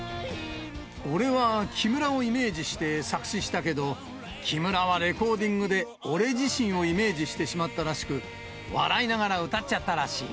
俺は木村をイメージして作詞したけど、木村はレコーディングで俺自身をイメージしてしまったらしく、笑いながら歌っちゃったらしい。